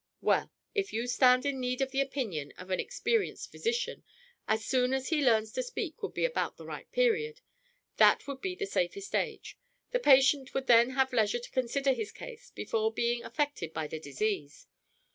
"Well, if you stand in need of the opinion of an experienced physician, as soon as he learns to speak would be about the right period! That would be the safest age! The patient would then have leisure to consider his case before being affected by the disease.